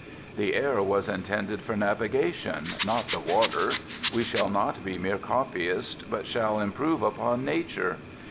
The air was intended for navigation, not the water. We shall not be mere copyists but shall improve upon nature.